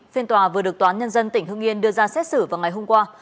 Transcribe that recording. phiên tòa vừa được toán nhân dân tỉnh hưng yên đưa ra xét xử vào ngày hôm qua